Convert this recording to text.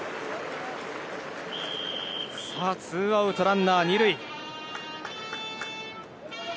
ツーアウトランナー２塁。